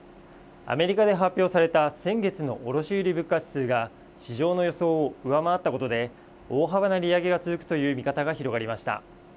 アメリカで発表された先月の卸売物価指数が市場の予想を上回ったことで大幅な利上げが続くという見方が広がりました。